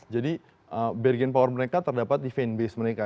jadi bargain power mereka terdapat di fan base mereka